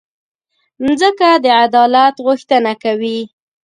مځکه د عدالت غوښتنه کوي.